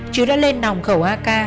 chữ đã lên nòng khẩu ak